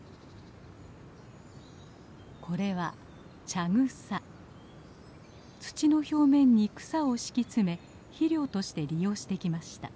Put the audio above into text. これは土の表面に草を敷き詰め肥料として利用してきました。